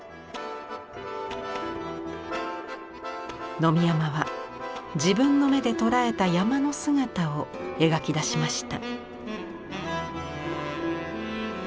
野見山は自分の目でとらえた山の姿を描き出しました。